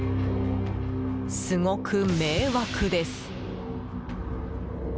すごく迷惑です。